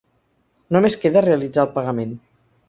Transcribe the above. Només queda realitzar el pagament.